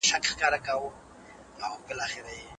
که قدرت د خلګو سره وي عدالت منځته راځي.